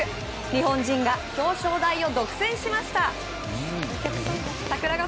日本人が表彰台を独占しました。